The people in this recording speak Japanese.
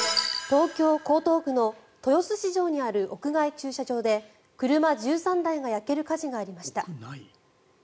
東京・江東区の豊洲市場にある屋外駐車場で車１３台が焼ける火事がありました。